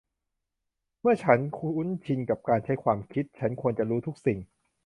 เมื่อฉันคุ้นชินกับการใช้ความคิด ฉันควรจะรู้ทุกสิ่ง